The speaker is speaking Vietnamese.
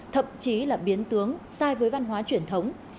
thậm chí là biến tướng sai với văn hóa truyền thống